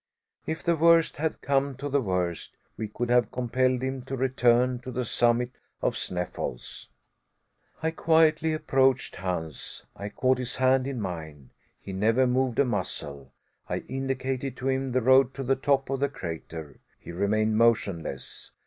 If the worst had come to the worst, we could have compelled him to return to the summit of Sneffels. I quietly approached Hans. I caught his hand in mine. He never moved a muscle. I indicated to him the road to the top of the crater. He remained motionless.